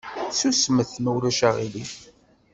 Susmet ma ulac aɣilif!